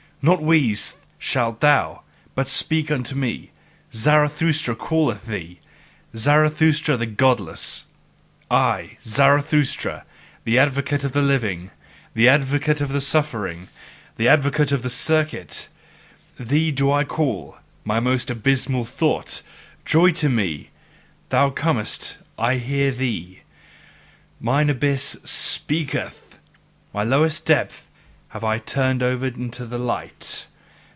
Not wheeze, shalt thou, but speak unto me! Zarathustra calleth thee, Zarathustra the godless! I, Zarathustra, the advocate of living, the advocate of suffering, the advocate of the circuit thee do I call, my most abysmal thought! Joy to me! Thou comest, I hear thee! Mine abyss SPEAKETH, my lowest depth have I turned over into the light!